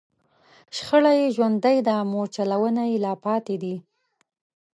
شخړه یې ژوندۍ ده، مورچلونه یې لا پاتې دي